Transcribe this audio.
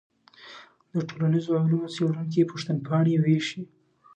د ټولنیزو علومو څېړونکي پوښتنپاڼې ویشي.